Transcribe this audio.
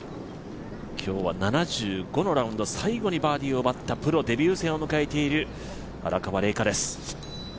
今日は７５のラウンド最後にバーディーを奪ったプロデビュー戦を迎えている荒川怜郁です。